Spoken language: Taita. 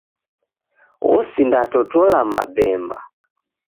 Osindatotola mabemba.